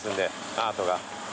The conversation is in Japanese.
アートが。